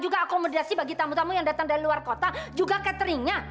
juga akomodasi bagi tamu tamu yang datang dari luar kota juga cateringnya